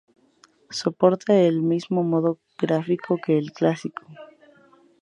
Soporta el mismo modo gráfico que el Clásico.